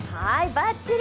ばっちり！